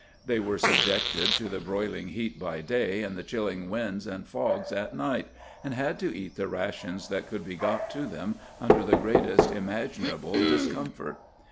They were subjected to the broiling heat by day and the chilling winds and fogs at night, and had to eat the rations that could be got to them under the greatest imaginable dis comfort.